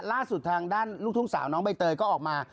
ล่าสุดทางด้านลูกทุ่งสาวน้องใบเตยก็ออกมา